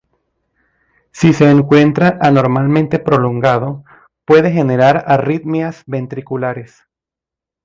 Si se encuentra anormalmente prolongado puede generar arritmias ventriculares.